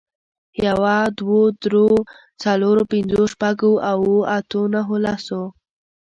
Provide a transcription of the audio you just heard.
يوه، دوو، درو، څلورو، پنځو، شپږو، اوو، اتو، نهو، لسو